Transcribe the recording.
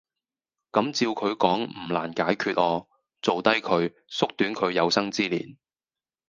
咁照佢講唔難解決喔，做低佢!縮短佢有生之年!